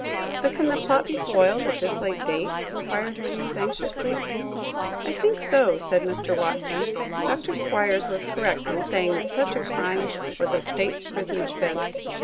"But can the plot be foiled at this late date?" inquired Louise, anxiously. "I think so," said Mr. Watson. "Dr. Squiers was correct in saying that such a crime was a state's prison offense.